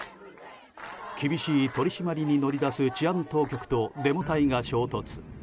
厳しい取り締まりに乗り出す治安当局とデモ隊が衝突。